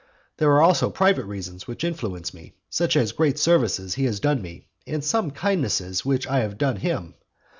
There are also private reasons which influence me, such as great services he has done me, and some kindnesses which I have done him.